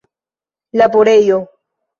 laborejo